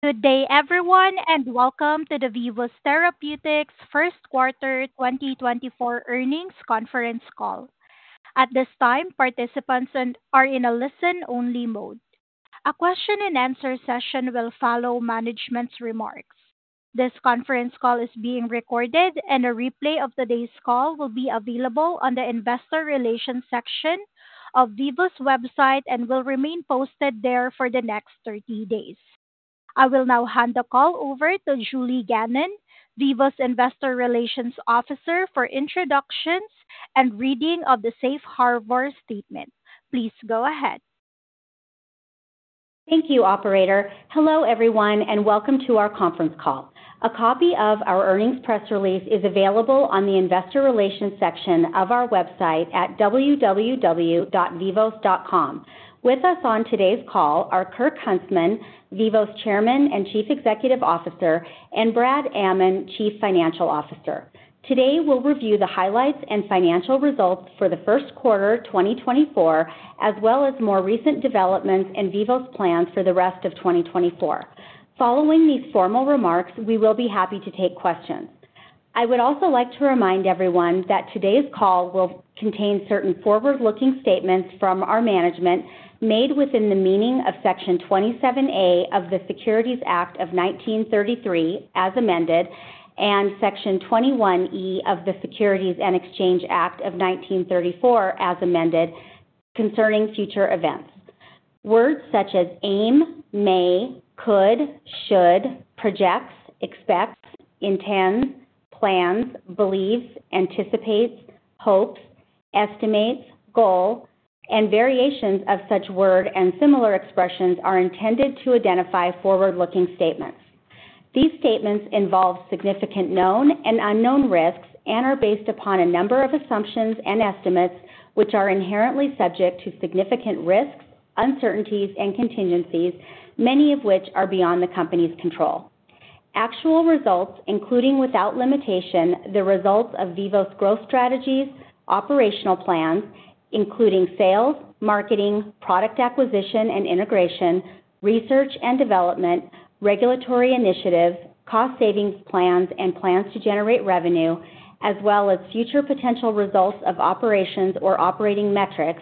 Good day everyone, and welcome to the Vivos Therapeutics First Quarter 2024 Earnings Conference Call. At this time, participants are in a listen-only mode. A question-and-answer session will follow management's remarks. This conference call is being recorded, and a replay of today's call will be available on the Investor Relations section of Vivos' website and will remain posted there for the next 30 days. I will now hand the call over to Julie Gannon, Vivos' Investor Relations Officer, for introductions and reading of the Safe Harbor statement. Please go ahead. Thank you, Operator. Hello everyone, and welcome to our conference call. A copy of our earnings press release is available on the Investor Relations section of our website at www.vivos.com. With us on today's call are Kirk Huntsman, Vivos Chairman and Chief Executive Officer, and Brad Amman, Chief Financial Officer. Today we'll review the highlights and financial results for the first quarter 2024, as well as more recent developments in Vivos' plans for the rest of 2024. Following these formal remarks, we will be happy to take questions. I would also like to remind everyone that today's call will contain certain forward-looking statements from our management made within the meaning of Section 27A of the Securities Act of 1933 as amended and Section 21E of the Securities and Exchange Act of 1934 as amended concerning future events. Words such as aim, may, could, should, projects, expects, intends, plans, believes, anticipates, hopes, estimates, goal, and variations of such word and similar expressions are intended to identify forward-looking statements. These statements involve significant known and unknown risks and are based upon a number of assumptions and estimates which are inherently subject to significant risks, uncertainties, and contingencies, many of which are beyond the company's control. Actual results include, without limitation, the results of Vivos' growth strategies, operational plans including sales, marketing, product acquisition and integration, research and development, regulatory initiatives, cost-savings plans, and plans to generate revenue, as well as future potential results of operations or operating metrics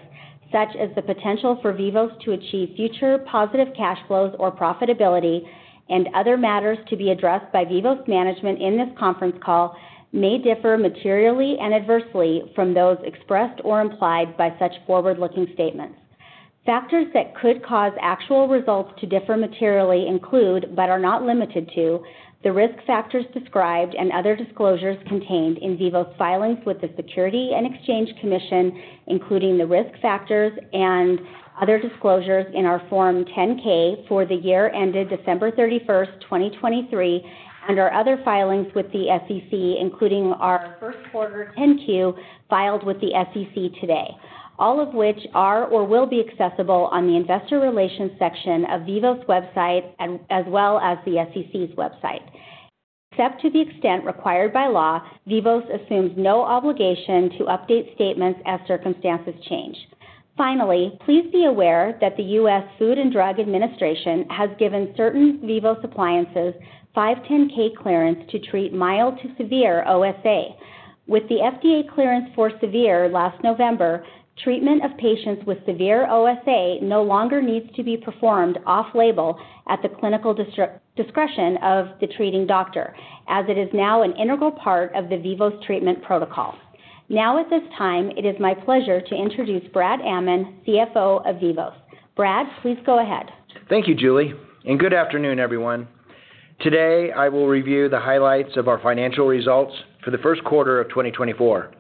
such as the potential for Vivos to achieve future positive cash flows or profitability, and other matters to be addressed by Vivos' management in this conference call may differ materially and adversely from those expressed or implied by such forward-looking statements. Factors that could cause actual results to differ materially include, but are not limited to, the risk factors described and other disclosures contained in Vivos' filings with the Securities and Exchange Commission, including the risk factors and other disclosures in our Form 10-K for the year ended December 31, 2023, and our other filings with the SEC, including our first quarter 10-Q filed with the SEC today, all of which are or will be accessible on the Investor Relations section of Vivos' website as well as the SEC's website. Except to the extent required by law, Vivos assumes no obligation to update statements as circumstances change. Finally, please be aware that the U.S. Food and Drug Administration has given certain Vivos appliances 510(k) clearance to treat mild to severe OSA. With the FDA clearance for severe last November, treatment of patients with severe OSA no longer needs to be performed off-label at the clinical discretion of the treating doctor, as it is now an integral part of the Vivos treatment protocol. Now at this time, it is my pleasure to introduce Brad Amman, CFO of Vivos. Brad, please go ahead. Thank you, Julie, and good afternoon, everyone. Today I will review the highlights of our financial results for the first quarter of 2024.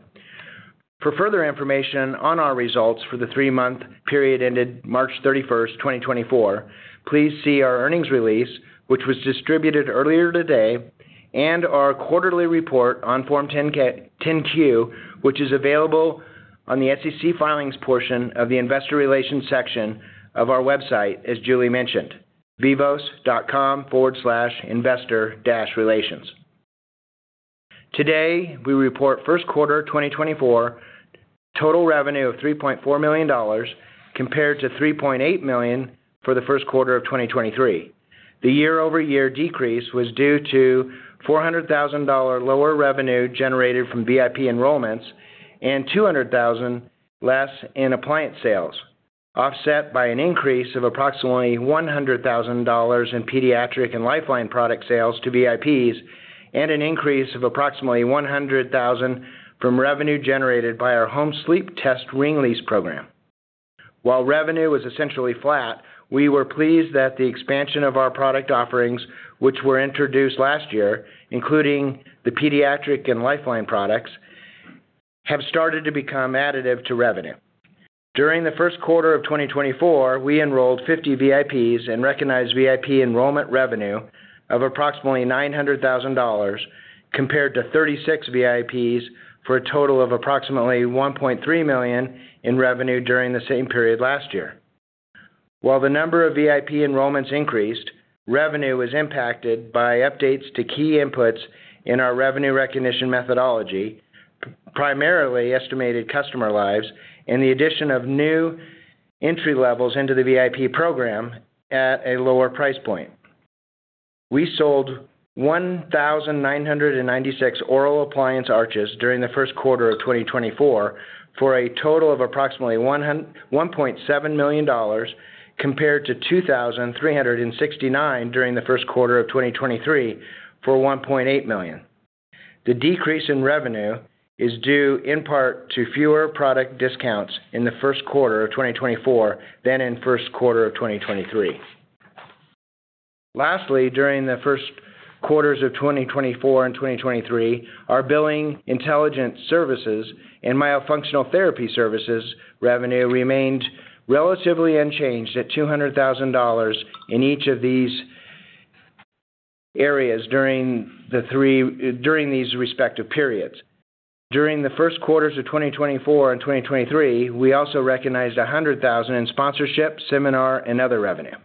For further information on our results for the three-month period ended March 31, 2024, please see our earnings release, which was distributed earlier today, and our quarterly report on Form 10-Q, which is available on the SEC filings portion of the Investor Relations section of our website, as Julie mentioned, vivos.com/investor-relations. Today we report first quarter 2024 total revenue of $3.4 million compared to $3.8 million for the first quarter of 2023. The year-over-year decrease was due to $400,000 lower revenue generated from VIP enrollments and $200,000 less in appliance sales, offset by an increase of approximately $100,000 in pediatric and Lifeline product sales to VIPs and an increase of approximately $100,000 from revenue generated by our home sleep testing ring lease program. While revenue was essentially flat, we were pleased that the expansion of our product offerings, which were introduced last year, including the pediatric and Lifeline products, have started to become additive to revenue. During the first quarter of 2024, we enrolled 50 VIPs and recognized VIP enrollment revenue of approximately $900,000 compared to 36 VIPs for a total of approximately $1.3 million in revenue during the same period last year. While the number of VIP enrollments increased, revenue was impacted by updates to key inputs in our revenue recognition methodology, primarily estimated customer lives, and the addition of new entry levels into the VIP program at a lower price point. We sold 1,996 oral appliance arches during the first quarter of 2024 for a total of approximately $1.7 million compared to 2,369 during the first quarter of 2023 for $1.8 million. The decrease in revenue is due in part to fewer product discounts in the first quarter of 2024 than in first quarter of 2023. Lastly, during the first quarters of 2024 and 2023, our Billing Intelligence services and myofunctional therapy services revenue remained relatively unchanged at $200,000 in each of these areas during these respective periods. During the first quarters of 2024 and 2023, we also recognized $100,000 in sponsorship, seminar, and other revenue.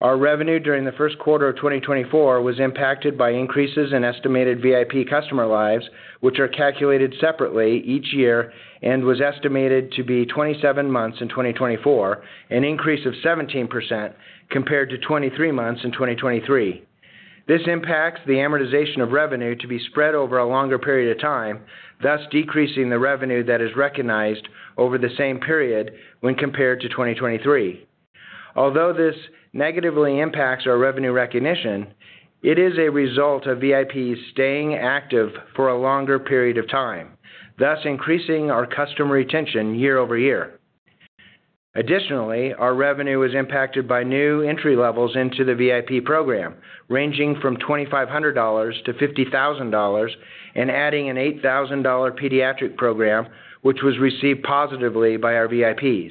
Our revenue during the first quarter of 2024 was impacted by increases in estimated VIP customer lives, which are calculated separately each year and was estimated to be 27 months in 2024, an increase of 17% compared to 23 months in 2023. This impacts the amortization of revenue to be spread over a longer period of time, thus decreasing the revenue that is recognized over the same period when compared to 2023. Although this negatively impacts our revenue recognition, it is a result of VIPs staying active for a longer period of time, thus increasing our customer retention year-over-year. Additionally, our revenue was impacted by new entry levels into the VIP program ranging from $2,500 to $50,000 and adding an $8,000 pediatric program, which was received positively by our VIPs.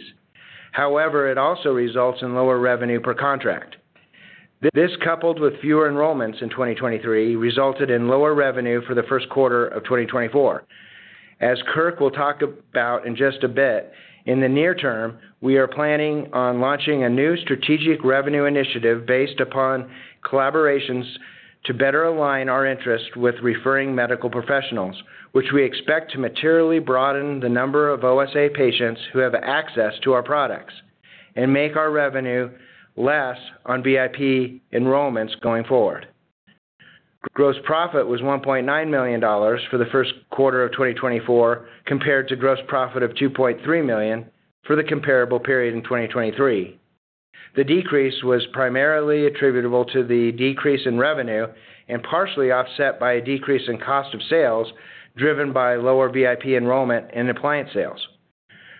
However, it also results in lower revenue per contract. This, coupled with fewer enrollments in 2023, resulted in lower revenue for the first quarter of 2024. As Kirk will talk about in just a bit, in the near term, we are planning on launching a new strategic revenue initiative based upon collaborations to better align our interest with referring medical professionals, which we expect to materially broaden the number of OSA patients who have access to our products and make our revenue less on VIP enrollments going forward. Gross profit was $1.9 million for the first quarter of 2024 compared to gross profit of $2.3 million for the comparable period in 2023. The decrease was primarily attributable to the decrease in revenue and partially offset by a decrease in cost of sales driven by lower VIP enrollment and appliance sales.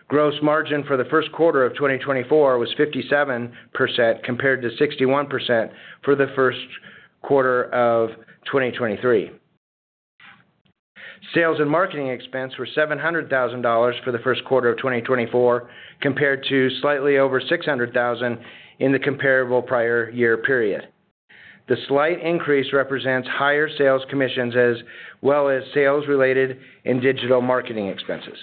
Gross margin for the first quarter of 2024 was 57% compared to 61% for the first quarter of 2023. Sales and marketing expense were $700,000 for the first quarter of 2024 compared to slightly over $600,000 in the comparable prior year period. The slight increase represents higher sales commissions as well as sales-related and digital marketing expenses.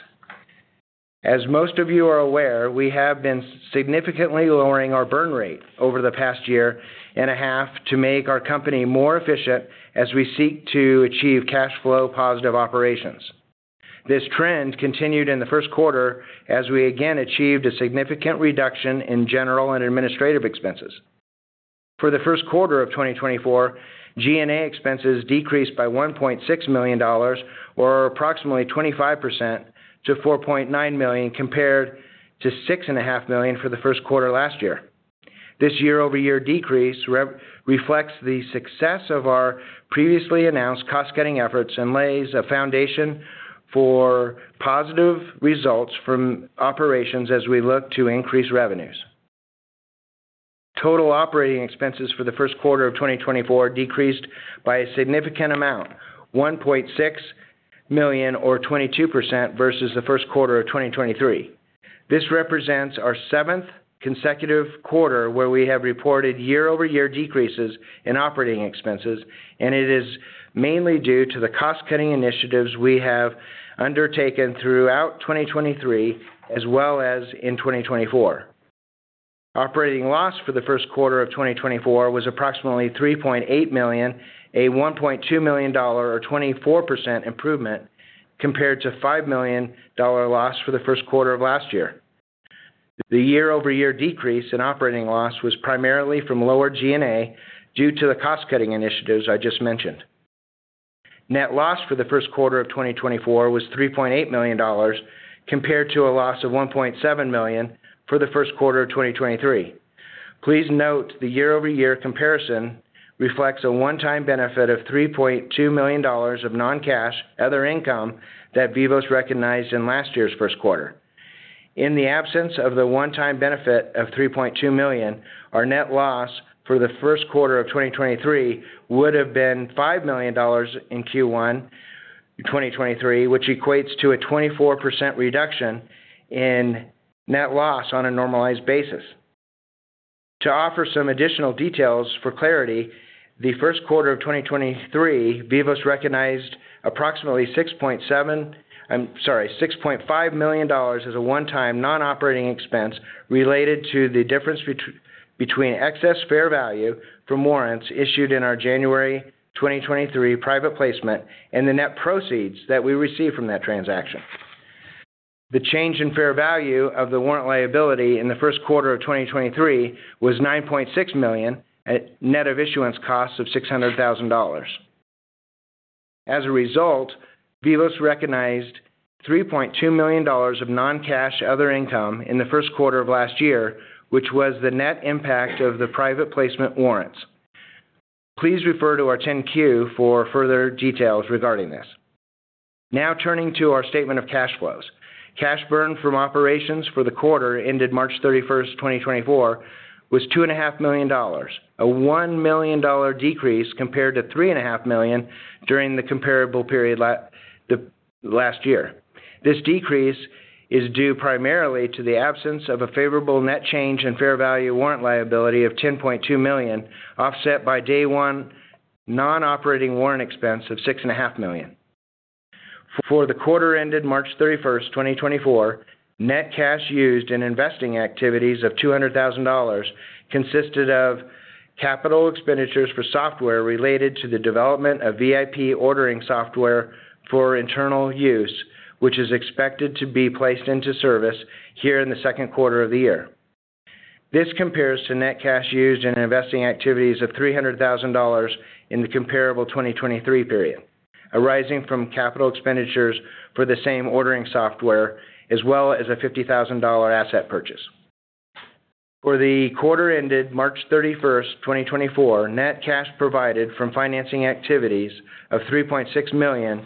As most of you are aware, we have been significantly lowering our burn rate over the past year and a half to make our company more efficient as we seek to achieve cash flow-positive operations. This trend continued in the first quarter as we again achieved a significant reduction in general and administrative expenses. For the first quarter of 2024, G&A expenses decreased by $1.6 million or approximately 25% to $4.9 million compared to $6.5 million for the first quarter last year. This year-over-year decrease reflects the success of our previously announced cost-cutting efforts and lays a foundation for positive results from operations as we look to increase revenues. Total operating expenses for the first quarter of 2024 decreased by a significant amount, $1.6 million or 22% versus the first quarter of 2023. This represents our seventh consecutive quarter where we have reported year-over-year decreases in operating expenses, and it is mainly due to the cost-cutting initiatives we have undertaken throughout 2023 as well as in 2024. Operating loss for the first quarter of 2024 was approximately $3.8 million, a $1.2 million or 24% improvement compared to $5 million loss for the first quarter of last year. The year-over-year decrease in operating loss was primarily from lower G&A due to the cost-cutting initiatives I just mentioned. Net loss for the first quarter of 2024 was $3.8 million compared to a loss of $1.7 million for the first quarter of 2023. Please note the year-over-year comparison reflects a one-time benefit of $3.2 million of non-cash, other income that Vivos recognized in last year's first quarter. In the absence of the one-time benefit of $3.2 million, our net loss for the first quarter of 2023 would have been $5 million in Q1 2023, which equates to a 24% reduction in net loss on a normalized basis. To offer some additional details for clarity, the first quarter of 2023, Vivos recognized approximately $6.7. I'm sorry, $6.5 million as a one-time non-operating expense related to the difference between excess fair value from warrants issued in our January 2023 private placement and the net proceeds that we received from that transaction. The change in fair value of the warrant liability in the first quarter of 2023 was $9.6 million, net of issuance costs of $600,000. As a result, Vivos recognized $3.2 million of non-cash, other income in the first quarter of last year, which was the net impact of the private placement warrants. Please refer to our 10-Q for further details regarding this. Now turning to our statement of cash flows. Cash burn from operations for the quarter ended March 31, 2024, was $2.5 million, a $1 million decrease compared to $3.5 million during the comparable period last year. This decrease is due primarily to the absence of a favorable net change in fair value warrant liability of $10.2 million, offset by day one non-operating warrant expense of $6.5 million. For the quarter ended March 31st, 2024, net cash used in investing activities of $200,000 consisted of capital expenditures for software related to the development of VIP ordering software for internal use, which is expected to be placed into service here in the second quarter of the year. This compares to net cash used in investing activities of $300,000 in the comparable 2023 period, arising from capital expenditures for the same ordering software as well as a $50,000 asset purchase. For the quarter ended March 31, 2024, net cash provided from financing activities of $3.6 million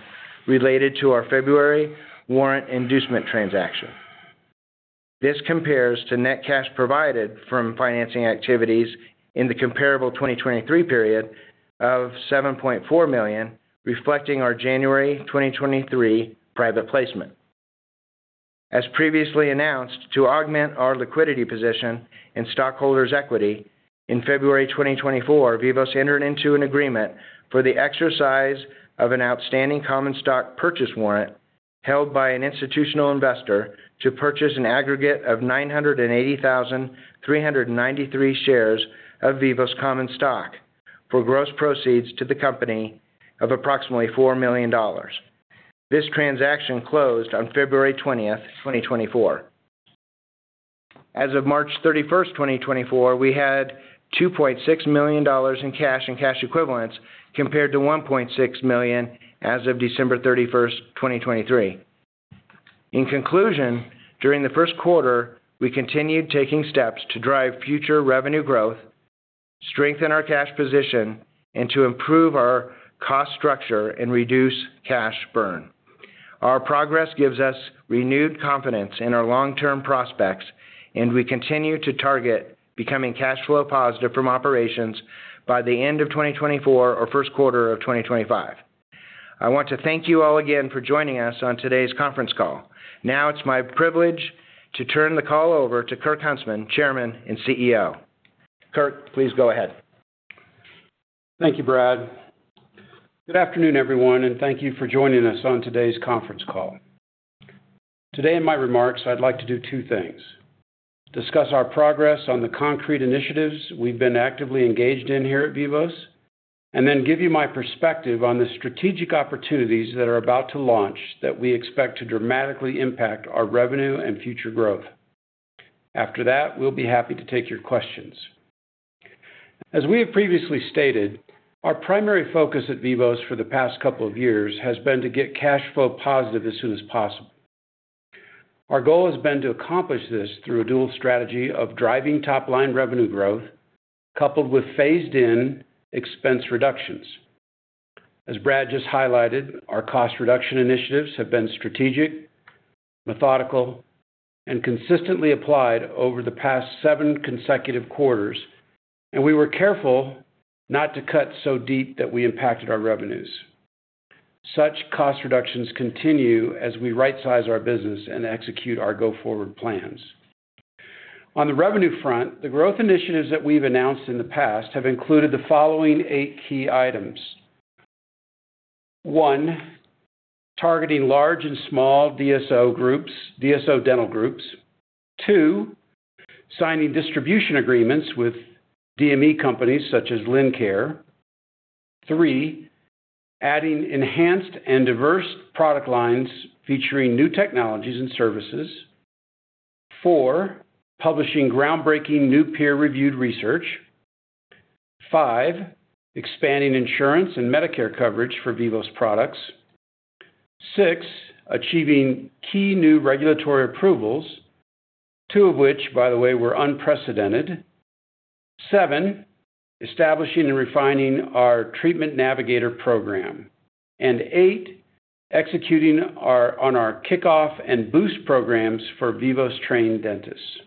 related to our February warrant inducement transaction. This compares to net cash provided from financing activities in the comparable 2023 period of $7.4 million, reflecting our January 2023 private placement. As previously announced, to augment our liquidity position in stockholders' equity, in February 2024, Vivos entered into an agreement for the exercise of an outstanding common stock purchase warrant held by an institutional investor to purchase an aggregate of 980,393 shares of Vivos Common Stock for gross proceeds to the company of approximately $4 million. This transaction closed on February 20th, 2024. As of March 31st, 2024, we had $2.6 million in cash and cash equivalents compared to $1.6 million as of December 31st, 2023. In conclusion, during the first quarter, we continued taking steps to drive future revenue growth, strengthen our cash position, and to improve our cost structure and reduce cash burn. Our progress gives us renewed confidence in our long-term prospects, and we continue to target becoming cash flow-positive from operations by the end of 2024 or first quarter of 2025. I want to thank you all again for joining us on today's conference call. Now it's my privilege to turn the call over to Kirk Huntsman, Chairman and CEO. Kirk, please go ahead. Thank you, Brad. Good afternoon, everyone, and thank you for joining us on today's conference call. Today, in my remarks, I'd like to do two things: discuss our progress on the concrete initiatives we've been actively engaged in here at Vivos, and then give you my perspective on the strategic opportunities that are about to launch that we expect to dramatically impact our revenue and future growth. After that, we'll be happy to take your questions. As we have previously stated, our primary focus at Vivos for the past couple of years has been to get cash flow-positive as soon as possible. Our goal has been to accomplish this through a dual strategy of driving top-line revenue growth coupled with phased-in expense reductions. As Brad just highlighted, our cost reduction initiatives have been strategic, methodical, and consistently applied over the past 7 consecutive quarters, and we were careful not to cut so deep that we impacted our revenues. Such cost reductions continue as we right-size our business and execute our go-forward plans. On the revenue front, the growth initiatives that we've announced in the past have included the following 8 key items: 1, targeting large and small DSO groups, DSO dental groups. 2, signing distribution agreements with DME companies such as Lincare. 3, adding enhanced and diverse product lines featuring new technologies and services. 4, publishing groundbreaking new peer-reviewed research. 5, expanding insurance and Medicare coverage for Vivos products. 6, achieving key new regulatory approvals, two of which, by the way, were unprecedented. 7, establishing and refining our Treatment Navigator program. And eight, executing on our Kickoff and Boost programs for Vivos-trained dentists.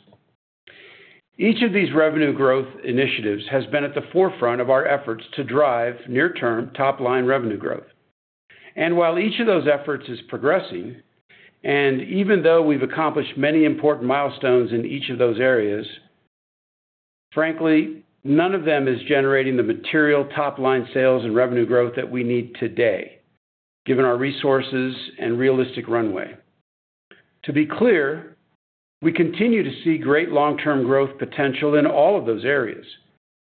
Each of these revenue growth initiatives has been at the forefront of our efforts to drive near-term top-line revenue growth. And while each of those efforts is progressing, and even though we've accomplished many important milestones in each of those areas, frankly, none of them is generating the material top-line sales and revenue growth that we need today, given our resources and realistic runway. To be clear, we continue to see great long-term growth potential in all of those areas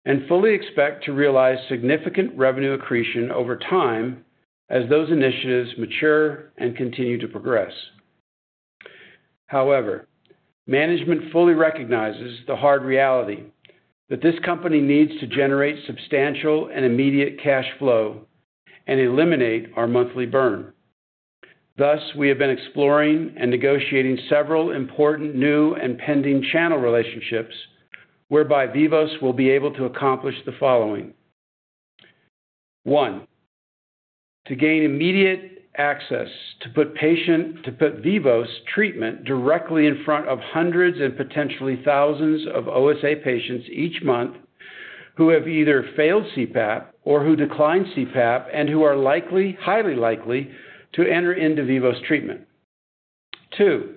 and fully expect to realize significant revenue accretion over time as those initiatives mature and continue to progress. However, management fully recognizes the hard reality that this company needs to generate substantial and immediate cash flow and eliminate our monthly burn. Thus, we have been exploring and negotiating several important new and pending channel relationships whereby Vivos will be able to accomplish the following: 1, to gain immediate access to put Vivos treatment directly in front of hundreds and potentially thousands of OSA patients each month who have either failed CPAP or who declined CPAP and who are likely, highly likely, to enter into Vivos treatment. 2,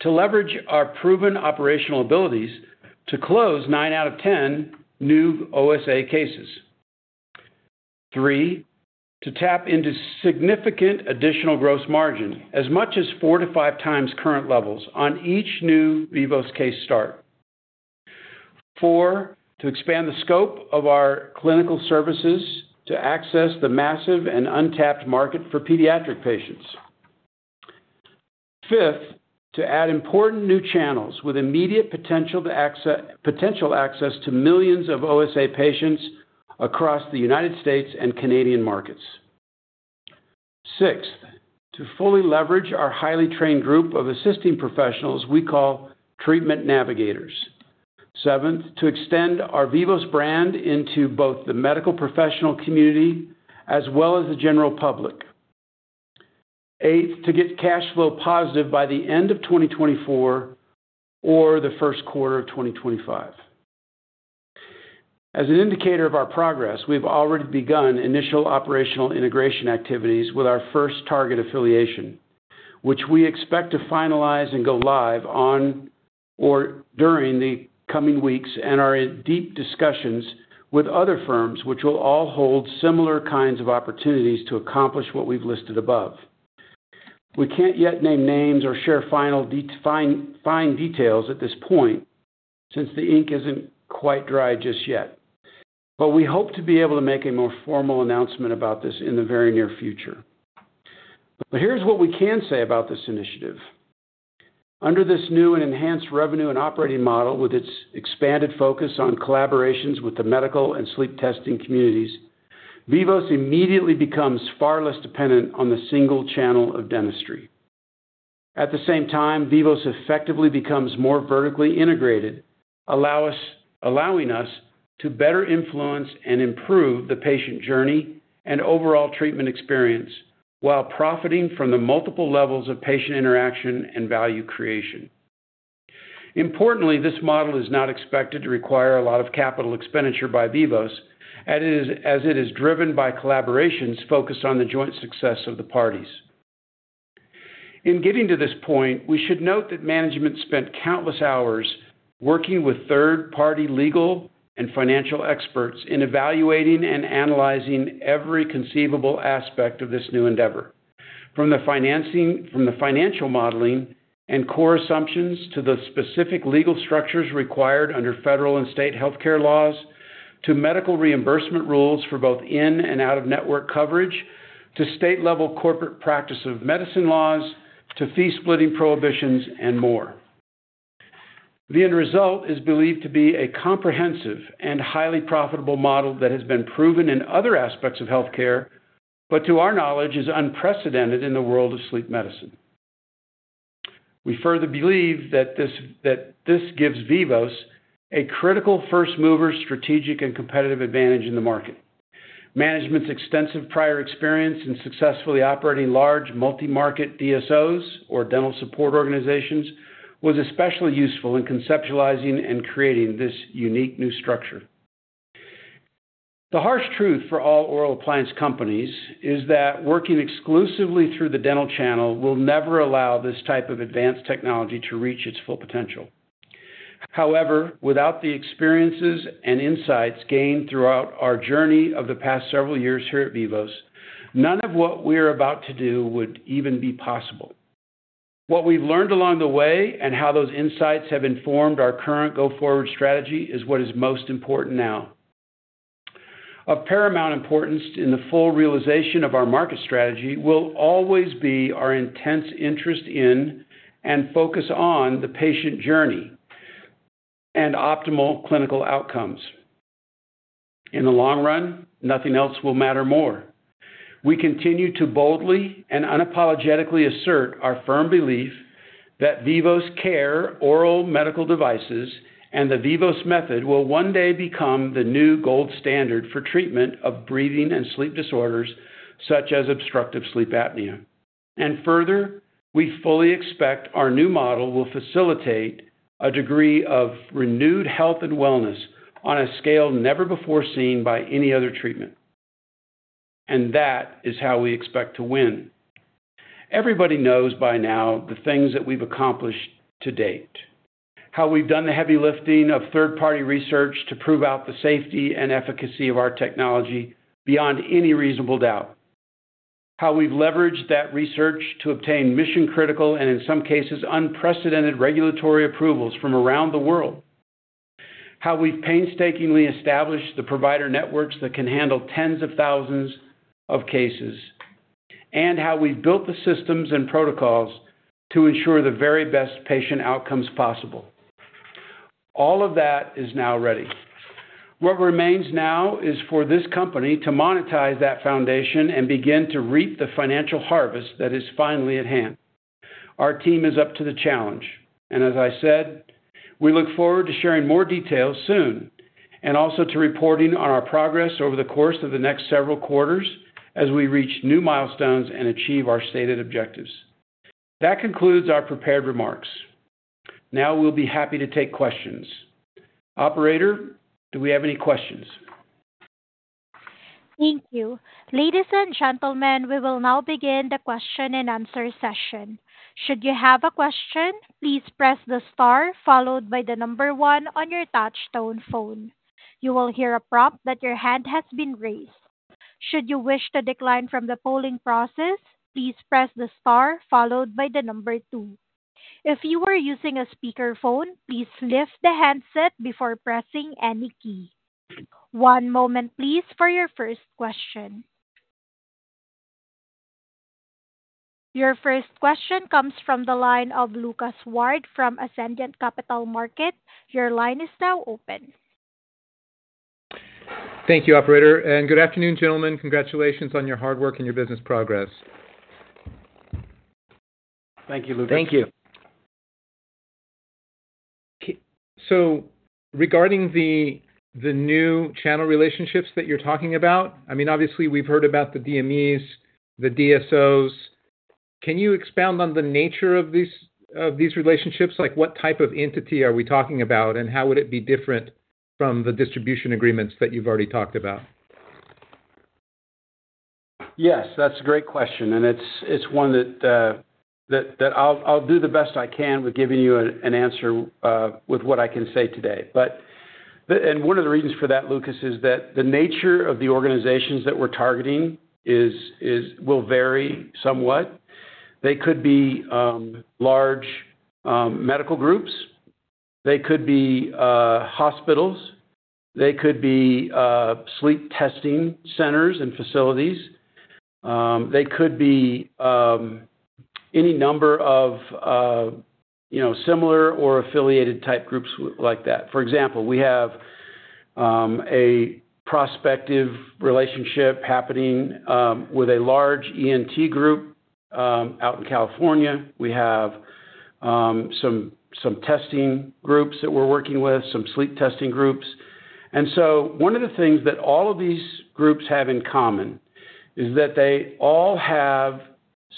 to leverage our proven operational abilities to close 9 out of 10 new OSA cases. 3, to tap into significant additional gross margin as much as 4-5 times current levels on each new Vivos case start. 4, to expand the scope of our clinical services to access the massive and untapped market for pediatric patients. 5th, to add important new channels with immediate potential access to millions of OSA patients across the United States and Canadian markets. Sixth, to fully leverage our highly trained group of assisting professionals we call Treatment Navigators. 7th, to extend our Vivos brand into both the medical professional community as well as the general public. Eighth, to get cash flow-positive by the end of 2024 or the first quarter of 2025. As an indicator of our progress, we've already begun initial operational integration activities with our first target affiliation, which we expect to finalize and go live on or during the coming weeks, and our deep discussions with other firms, which will all hold similar kinds of opportunities to accomplish what we've listed above. We can't yet name names or share fine details at this point since the ink isn't quite dry just yet, but we hope to be able to make a more formal announcement about this in the very near future. But here's what we can say about this initiative. Under this new and enhanced revenue and operating model with its expanded focus on collaborations with the medical and sleep testing communities, Vivos immediately becomes far less dependent on the single channel of dentistry. At the same time, Vivos effectively becomes more vertically integrated, allowing us to better influence and improve the patient journey and overall treatment experience while profiting from the multiple levels of patient interaction and value creation. Importantly, this model is not expected to require a lot of capital expenditure by Vivos as it is driven by collaborations focused on the joint success of the parties. In getting to this point, we should note that management spent countless hours working with third-party legal and financial experts in evaluating and analyzing every conceivable aspect of this new endeavor, from the financial modeling and core assumptions to the specific legal structures required under federal and state healthcare laws, to medical reimbursement rules for both in and out-of-network coverage, to state-level corporate practice of medicine laws, to fee-splitting prohibitions, and more. The end result is believed to be a comprehensive and highly profitable model that has been proven in other aspects of healthcare, but to our knowledge, is unprecedented in the world of sleep medicine. We further believe that this gives Vivos a critical first-mover strategic and competitive advantage in the market. Management's extensive prior experience in successfully operating large multi-market DSOs or dental support organizations was especially useful in conceptualizing and creating this unique new structure. The harsh truth for all oral appliance companies is that working exclusively through the dental channel will never allow this type of advanced technology to reach its full potential. However, without the experiences and insights gained throughout our journey of the past several years here at Vivos, none of what we are about to do would even be possible. What we've learned along the way and how those insights have informed our current go-forward strategy is what is most important now. Of paramount importance in the full realization of our market strategy will always be our intense interest in and focus on the patient journey and optimal clinical outcomes. In the long run, nothing else will matter more. We continue to boldly and unapologetically assert our firm belief that Vivos CARE oral medical devices and the Vivos Method will one day become the new gold standard for treatment of breathing and sleep disorders such as obstructive sleep apnea. And further, we fully expect our new model will facilitate a degree of renewed health and wellness on a scale never before seen by any other treatment. And that is how we expect to win. Everybody knows by now the things that we've accomplished to date: how we've done the heavy lifting of third-party research to prove out the safety and efficacy of our technology beyond any reasonable doubt. How we've leveraged that research to obtain mission-critical and, in some cases, unprecedented regulatory approvals from around the world. How we've painstakingly established the provider networks that can handle tens of thousands of cases. And how we've built the systems and protocols to ensure the very best patient outcomes possible. All of that is now ready. What remains now is for this company to monetize that foundation and begin to reap the financial harvest that is finally at hand. Our team is up to the challenge. As I said, we look forward to sharing more details soon and also to reporting on our progress over the course of the next several quarters as we reach new milestones and achieve our stated objectives. That concludes our prepared remarks. Now we'll be happy to take questions. Operator, do we have any questions? Thank you. Ladies and gentlemen, we will now begin the question-and-answer session. Should you have a question, please press the star followed by the number 1 on your touch-tone phone. You will hear a prompt that your hand has been raised. Should you wish to decline from the polling process, please press the star followed by the number 2. If you are using a speakerphone, please lift the handset before pressing any key. One moment, please, for your first question. Your first question comes from the line of Lucas Ward from Ascendiant Capital Markets. Your line is now open. Thank you, Operator. Good afternoon, gentlemen. Congratulations on your hard work and your business progress. Thank you, Lucas. Thank you. So regarding the new channel relationships that you're talking about, I mean, obviously, we've heard about the DMEs, the DSOs. Can you expound on the nature of these relationships? What type of entity are we talking about, and how would it be different from the distribution agreements that you've already talked about? Yes, that's a great question, and it's one that I'll do the best I can with giving you an answer with what I can say today. And one of the reasons for that, Lucas, is that the nature of the organizations that we're targeting will vary somewhat. They could be large medical groups. They could be hospitals. They could be sleep testing centers and facilities. They could be any number of similar or affiliated type groups like that. For example, we have a prospective relationship happening with a large ENT group out in California. We have some testing groups that we're working with, some sleep testing groups. And so one of the things that all of these groups have in common is that they all have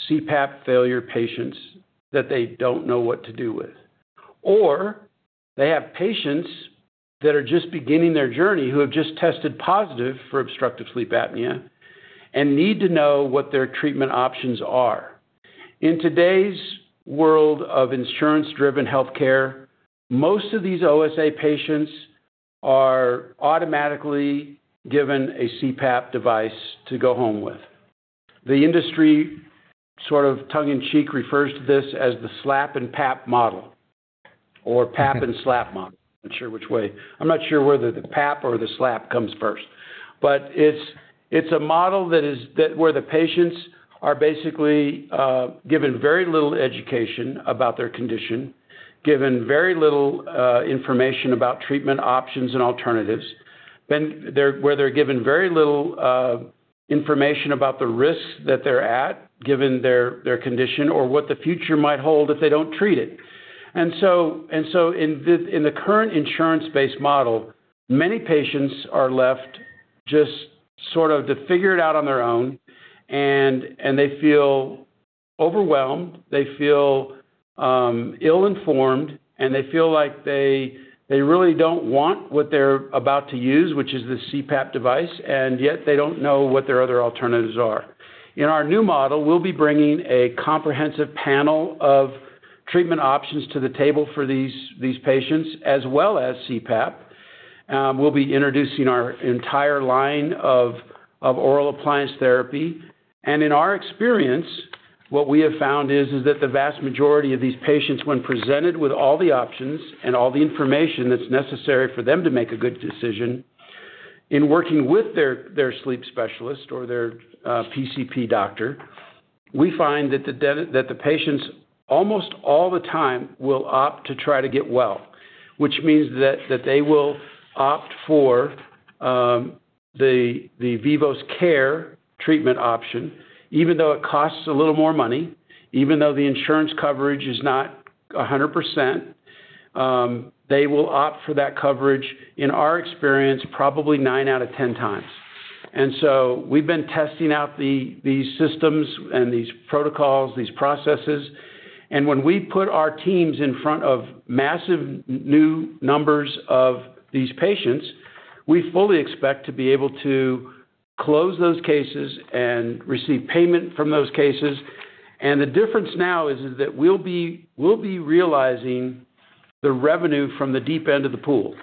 CPAP failure patients that they don't know what to do with. Or they have patients that are just beginning their journey who have just tested positive for Obstructive Sleep Apnea and need to know what their treatment options are. In today's world of insurance-driven healthcare, most of these OSA patients are automatically given a CPAP device to go home with. The industry sort of tongue-in-cheek refers to this as the slap-and-pap model or pap-and-slap model. I'm not sure which way. I'm not sure whether the pap or the slap comes first. But it's a model where the patients are basically given very little education about their condition, given very little information about treatment options and alternatives, where they're given very little information about the risks that they're at given their condition or what the future might hold if they don't treat it. In the current insurance-based model, many patients are left just sort of to figure it out on their own, and they feel overwhelmed. They feel ill-informed, and they feel like they really don't want what they're about to use, which is the CPAP device, and yet they don't know what their other alternatives are. In our new model, we'll be bringing a comprehensive panel of treatment options to the table for these patients as well as CPAP. We'll be introducing our entire line of oral appliance therapy. In our experience, what we have found is that the vast majority of these patients, when presented with all the options and all the information that's necessary for them to make a good decision in working with their sleep specialist or their PCP doctor, we find that the patients almost all the time will opt to try to get well, which means that they will opt for the Vivos CARE treatment option, even though it costs a little more money, even though the insurance coverage is not 100%. They will opt for that coverage, in our experience, probably nine out of 10 times. So we've been testing out these systems and these protocols, these processes. When we put our teams in front of massive new numbers of these patients, we fully expect to be able to close those cases and receive payment from those cases. The difference now is that we'll be realizing the revenue from the deep end of the pool.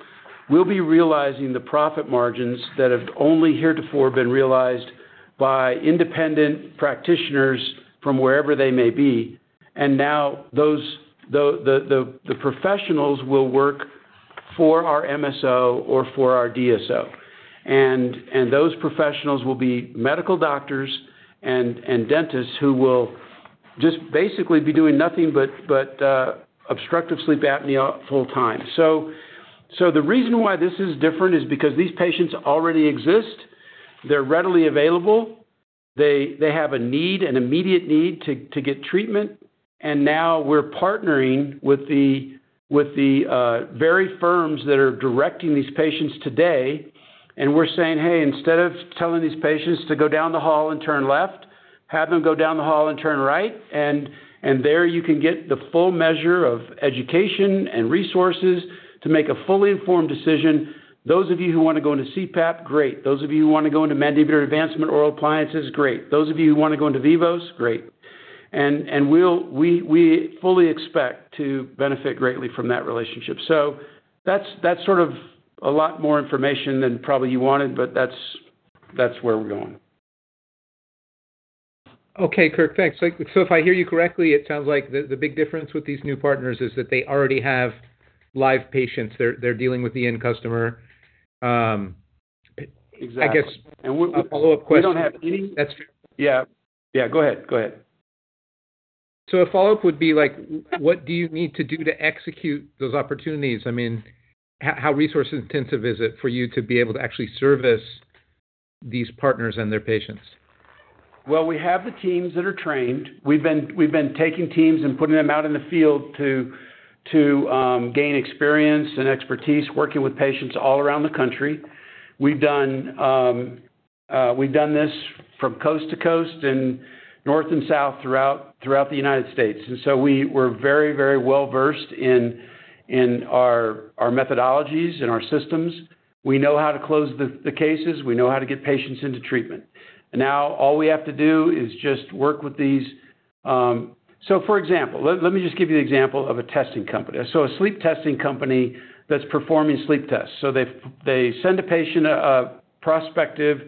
We'll be realizing the profit margins that have only heretofore been realized by independent practitioners from wherever they may be. Now the professionals will work for our MSO or for our DSO. Those professionals will be medical doctors and dentists who will just basically be doing nothing but Obstructive Sleep Apnea full time. The reason why this is different is because these patients already exist. They're readily available. They have a need, an immediate need to get treatment. Now we're partnering with the very firms that are directing these patients today. We're saying, "Hey, instead of telling these patients to go down the hall and turn left, have them go down the hall and turn right." There you can get the full measure of education and resources to make a fully informed decision. Those of you who want to go into CPAP, great. Those of you who want to go into mandibular advancement oral appliances, great. Those of you who want to go into Vivos, great. And we fully expect to benefit greatly from that relationship. So that's sort of a lot more information than probably you wanted, but that's where we're going. Okay, Kirk, thanks. So if I hear you correctly, it sounds like the big difference with these new partners is that they already have live patients. They're dealing with the end customer. I guess a follow-up question. Exactly. We don't have any. That's fair. Yeah. Yeah, go ahead. Go ahead. A follow-up would be like, what do you need to do to execute those opportunities? I mean, how resource-intensive is it for you to be able to actually service these partners and their patients? Well, we have the teams that are trained. We've been taking teams and putting them out in the field to gain experience and expertise working with patients all around the country. We've done this from coast to coast and north and south throughout the United States. And so we're very, very well-versed in our methodologies and our systems. We know how to close the cases. We know how to get patients into treatment. Now all we have to do is just work with these so for example, let me just give you the example of a testing company. So a sleep testing company that's performing sleep tests. So they send a patient, a prospective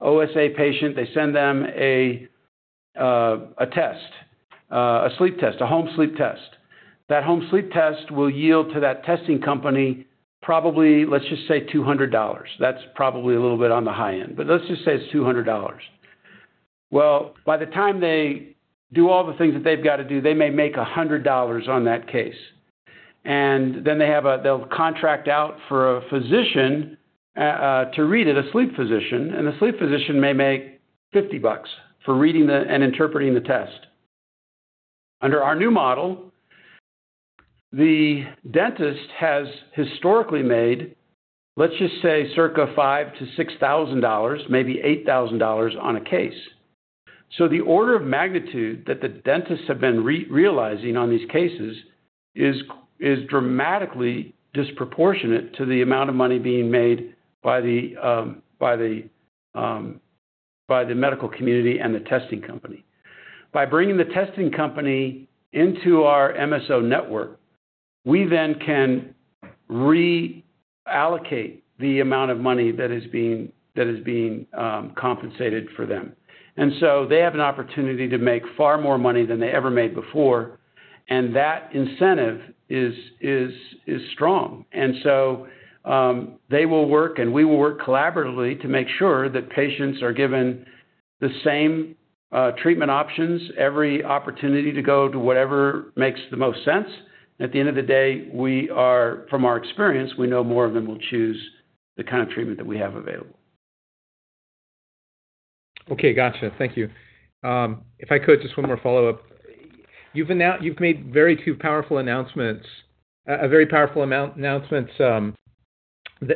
OSA patient, they send them a test, a sleep test, a home sleep test. That home sleep test will yield to that testing company probably, let's just say, $200. That's probably a little bit on the high end, but let's just say it's $200. Well, by the time they do all the things that they've got to do, they may make $100 on that case. And then they'll contract out for a physician to read it, a sleep physician, and the sleep physician may make $50 for reading and interpreting the test. Under our new model, the dentist has historically made, let's just say, circa $5,000-$6,000, maybe $8,000 on a case. So the order of magnitude that the dentists have been realizing on these cases is dramatically disproportionate to the amount of money being made by the medical community and the testing company. By bringing the testing company into our MSO network, we then can reallocate the amount of money that is being compensated for them. So they have an opportunity to make far more money than they ever made before. That incentive is strong. So they will work, and we will work collaboratively to make sure that patients are given the same treatment options, every opportunity to go to whatever makes the most sense. At the end of the day, from our experience, we know more of them will choose the kind of treatment that we have available. Okay, gotcha. Thank you. If I could, just one more follow-up. You've made very two powerful announcements, a very powerful announcement,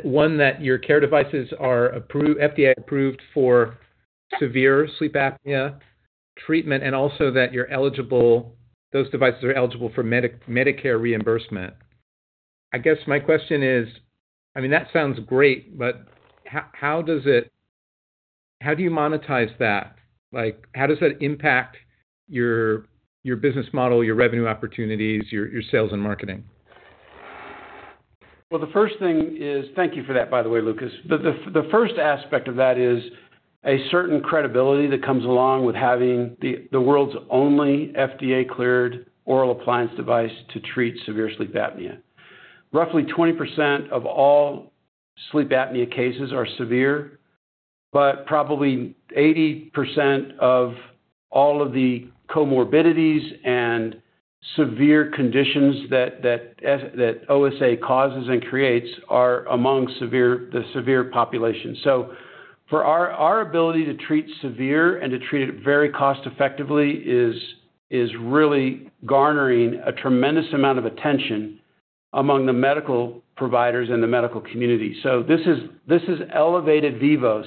one that your CARE devices are FDA-approved for severe sleep apnea treatment and also that those devices are eligible for Medicare reimbursement. I guess my question is, I mean, that sounds great, but how do you monetize that? How does that impact your business model, your revenue opportunities, your sales and marketing? Well, the first thing is thank you for that, by the way, Lucas. The first aspect of that is a certain credibility that comes along with having the world's only FDA-cleared oral appliance device to treat severe sleep apnea. Roughly 20% of all sleep apnea cases are severe, but probably 80% of all of the comorbidities and severe conditions that OSA causes and creates are among the severe population. So for our ability to treat severe and to treat it very cost-effectively is really garnering a tremendous amount of attention among the medical providers and the medical community. So this has elevated Vivos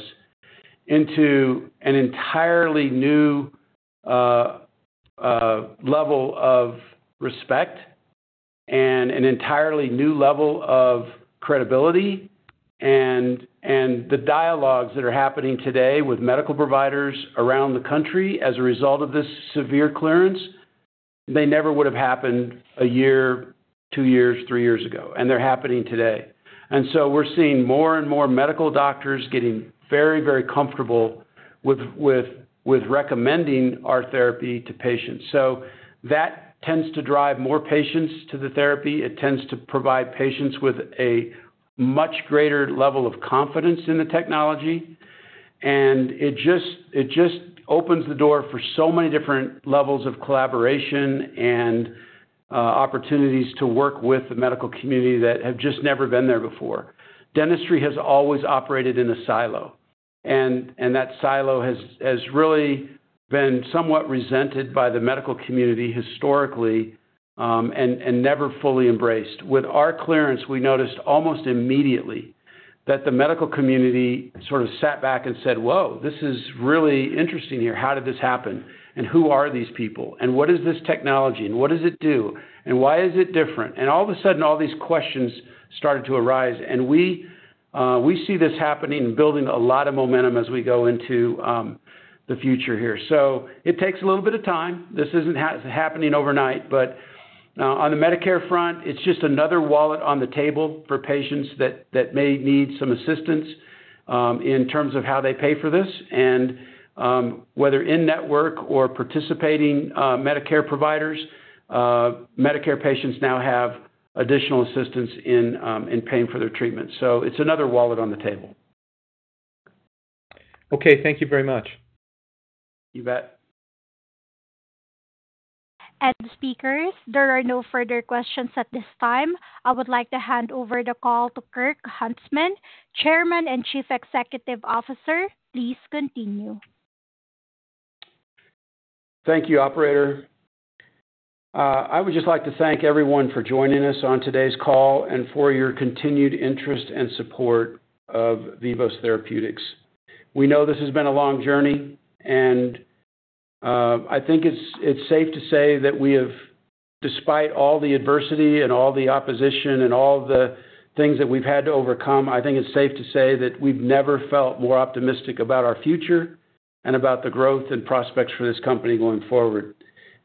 into an entirely new level of respect and an entirely new level of credibility. The dialogues that are happening today with medical providers around the country as a result of this FDA clearance, they never would have happened a year, two years, three years ago, and they're happening today. And so we're seeing more and more medical doctors getting very, very comfortable with recommending our therapy to patients. So that tends to drive more patients to the therapy. It tends to provide patients with a much greater level of confidence in the technology. And it just opens the door for so many different levels of collaboration and opportunities to work with the medical community that have just never been there before. Dentistry has always operated in a silo, and that silo has really been somewhat resented by the medical community historically and never fully embraced. With our clearance, we noticed almost immediately that the medical community sort of sat back and said, "Whoa, this is really interesting here. How did this happen? And who are these people? And what is this technology? And what does it do? And why is it different?" All of a sudden, all these questions started to arise. We see this happening and building a lot of momentum as we go into the future here. It takes a little bit of time. This isn't happening overnight, but on the Medicare front, it's just another wallet on the table for patients that may need some assistance in terms of how they pay for this. And whether in-network or participating Medicare providers, Medicare patients now have additional assistance in paying for their treatment. It's another wallet on the table. Okay, thank you very much. You bet. Speakers, there are no further questions at this time. I would like to hand over the call to Kirk Huntsman, Chairman and Chief Executive Officer. Please continue. Thank you, Operator. I would just like to thank everyone for joining us on today's call and for your continued interest and support of Vivos Therapeutics. We know this has been a long journey, and I think it's safe to say that we have, despite all the adversity and all the opposition and all the things that we've had to overcome, I think it's safe to say that we've never felt more optimistic about our future and about the growth and prospects for this company going forward.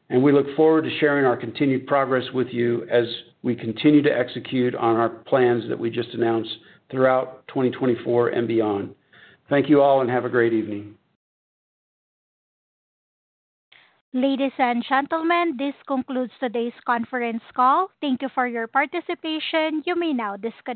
And we look forward to sharing our continued progress with you as we continue to execute on our plans that we just announced throughout 2024 and beyond. Thank you all, and have a great evening. Ladies and gentlemen, this concludes today's conference call. Thank you for your participation. You may now disconnect.